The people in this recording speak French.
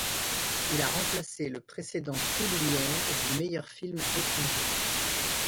Il a remplacé le précédent prix Lumières du meilleur film étranger.